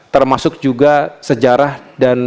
termasuk juga sejarah dan